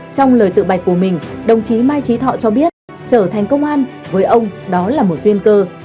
trong lời tự bạch của mình đồng chí mai trí thọ cho biết trở thành công an với ông đó là một duyên cơ